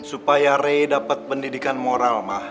supaya rey dapat pendidikan moral mah